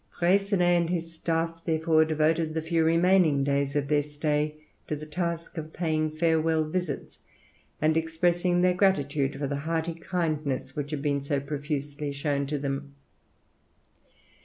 Freycinet and his staff, therefore, devoted the few remaining days of their stay to the task of paying farewell visits and expressing their gratitude for the hearty kindness which had been so profusely shown to them.